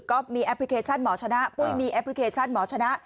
แอปพลิเคชันหมอชนะปุ้ยมีแอปพลิเคชันหมอชนะ